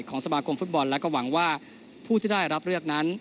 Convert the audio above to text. สมาคมฟุตบอลและก็หวังว่าผู้ที่ได้รับเลือกนั้น